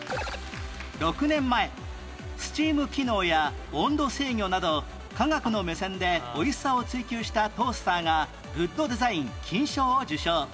６年前スチーム機能や温度制御など科学の目線で美味しさを追求したトースターがグッドデザイン金賞を受賞